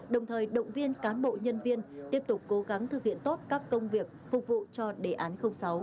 đồng thời động viên cán bộ nhân viên tiếp tục cố gắng thực hiện tốt các công việc phục vụ cho đề án sáu